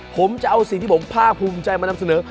ผมจะเอาสิ่งที่ผมภาคภูมิใจมานำเสนอ